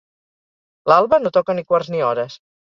L'Alba no toca ni quarts ni hores.